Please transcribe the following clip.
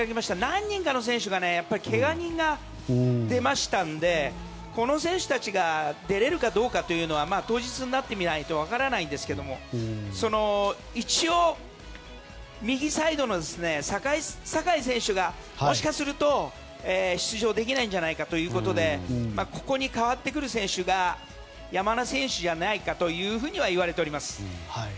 何人かの選手がやっぱりけが人が出ましたのでこの選手たちが出れるかどうかというのは当日になってみないと分からないんですけども一応、右サイドの酒井選手がもしかすると出場できないんじゃないかということでここに代わってくる選手が山根選手じゃないかといわれております。